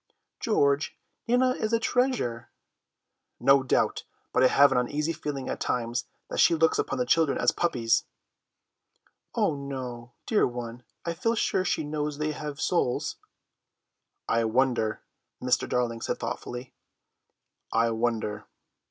"George, Nana is a treasure." "No doubt, but I have an uneasy feeling at times that she looks upon the children as puppies." "Oh no, dear one, I feel sure she knows they have souls." "I wonder," Mr. Darling said thoughtfully, "I wonder."